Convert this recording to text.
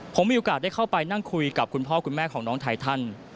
ผมมีโอกาสได้เข้าไปนั่งคุยกับคุณพ่อคุณแม่ของน้องไททัน